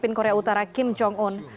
pemimpin korea utara kim jong un